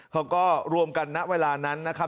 เขาก็รวมกันณเวลานั้นนะครับ